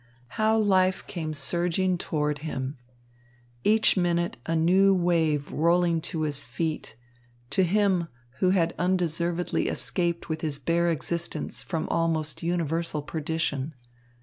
How life came surging toward him! Each minute a new wave rolling to his feet to him who had undeservedly escaped with his bare existence from almost universal perdition.